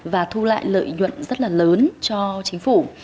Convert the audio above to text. và thu lại lợi nhuận rất là lớn cho chính phủ